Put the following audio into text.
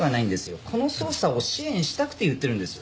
この捜査を支援したくて言ってるんです。